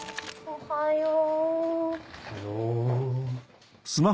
おはよう。